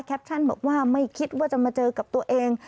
บอกว่าไม่คิดว่าจะมาเจอกับตัวเอง